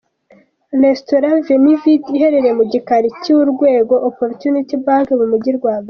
Restaurant Veni Vidi iherereye mu gikari cya Urwego Opportunity Bank mu mujyi rwagati.